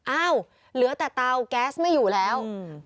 อ้าวเหลือแต่เตาแก๊สไม่อยู่แล้ว